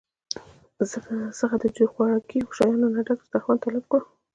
څخه د خوراکي شيانو نه ډک دستارخوان طلب کړو